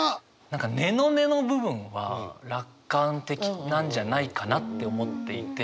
何か根の根の部分は楽観的なんじゃないかなって思っていて。